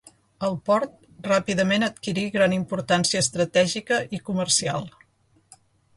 El port ràpidament adquirí gran importància estratègica i comercial.